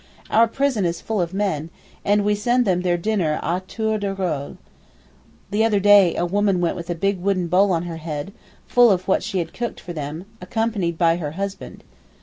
Our prison is full of men, and we send them their dinner à tour de rôle. The other day a woman went with a big wooden bowl on her head, full of what she had cooked for them, accompanied by her husband.